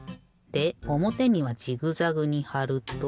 でおもてにはジグザグにはると。